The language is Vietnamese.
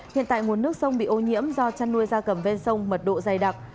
hiện tại nguồn nước sông bị ô nhiễm do chăn nuôi gia cầm ven sông mật độ dày đặc